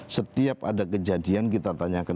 setiap ada kejadian kita tanyakan